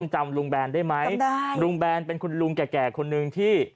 จำลุงแบรนด์ได้ไหมลุงแบรนด์เป็นลุงแก่คนนึงที่